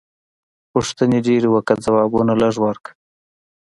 پوښتنې ډېرې وکړه ځوابونه لږ ورکړه.